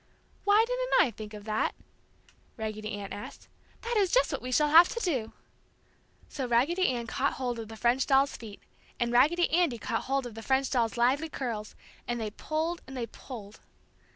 "Why didn't I think of that?" Raggedy Ann asked. "That is just the way we shall have to do!" So Raggedy Ann caught hold of the French doll's feet, and Raggedy Andy caught hold of the French doll's lively curls, and they pulled and they pulled.